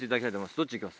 どっちいきます？